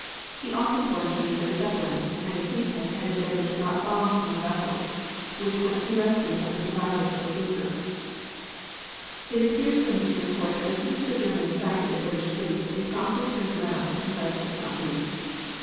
He also informed me that a Zeppelin and a seaplane had endeavored to drop bombs on the vessels which went to the rescue of the survivors of the Blucher." It appears from this report that as soon as the Germans sighted the British fleet they promptly turned around and fled to the southeast.